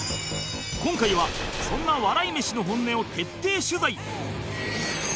今回はそんな笑い飯の本音を徹底取材